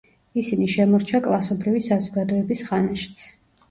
ისინი შემორჩა კლასობრივი საზოგადოების ხანაშიც.